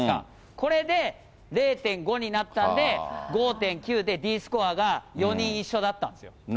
これで０．５になったんで、５．９で、Ｄスコアが４人一緒だったんですよ。